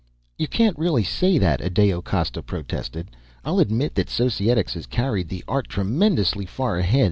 "You can't really say that," Adao Costa protested. "I'll admit that Societics has carried the art tremendously far ahead.